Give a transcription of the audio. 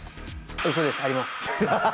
うそです、あります。